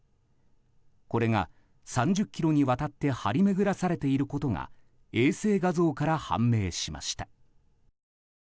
これが３０ｋｍにわたって張り巡らされていることが衛星画像から判明しました。